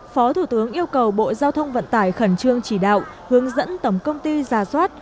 phó thủ tướng yêu cầu bộ giao thông vận tải khẩn trương chỉ đạo hướng dẫn tổng công ty giả soát